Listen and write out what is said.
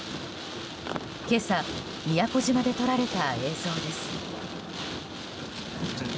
今朝、宮古島で撮られた映像です。